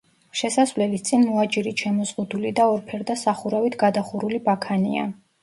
შესასვლელის წინ მოაჯირით შემოზღუდული და ორფერდა სახურავით გადახურული ბაქანია.